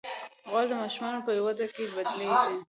غول د ماشومانو په وده کې بدلېږي.